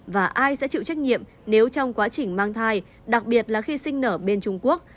và ai sẽ chịu trách nhiệm nếu trong quá trình mang thai đặc biệt là khi sinh nở bên trung quốc